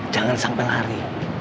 jangan sampai lari